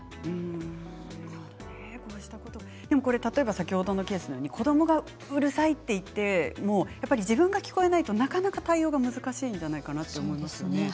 先ほどのケースのように子どもがうるさいといって自分が聞こえないとなかなか対応が難しいんじゃないかなと思いますよね。